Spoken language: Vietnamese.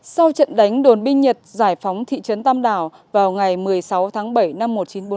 sau trận đánh đồn binh nhật giải phóng thị trấn tàm đào vào ngày một mươi sáu tháng bảy năm một nghìn chín trăm bốn mươi năm